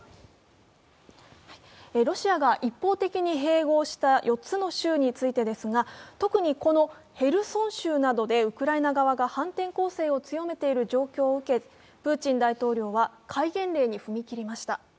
ロシアが一方的に併合した４つの州についてですが特にこのヘルソン州などでウクライナ側が反転攻勢を強めている状況を受けプーチン大統領は戒厳令に踏み切りました。